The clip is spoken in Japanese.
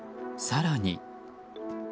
更に。